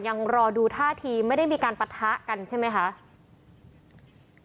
ยังรอดูท่าทีไม่ได้มีการปะทะกันใช่ไหมคะ